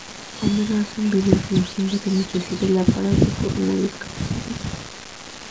Homero hace un video fingiendo que necesita el aparato por una discapacidad.